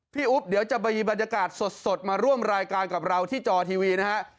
อุ๊บเดี๋ยวจะมีบรรยากาศสดมาร่วมรายการกับเราที่จอทีวีนะฮะ